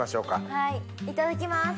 はいいただきます。